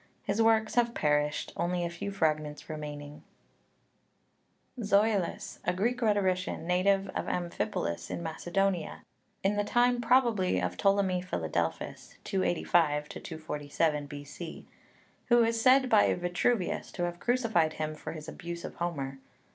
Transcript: His works have perished, only a few fragments remaining (Lübker). ZOILUS, a Greek rhetorician, native of Amphipolis in Macedonia, in the time probably of Ptolemy Philadelphus (285 247 B.C.), who is said by Vitruvius to have crucified him for his abuse of Homer.